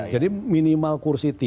jadi minimal kursi tiga